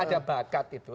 ada bakat itu